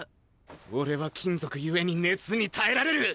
俺は金属故に熱に耐えられる！